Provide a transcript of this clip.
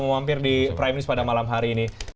memampir di prime news pada malam hari ini